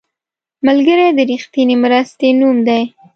ملګری د رښتینې مرستې نوم دی